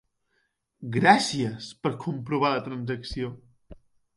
Gràcies per comprovar la transacció.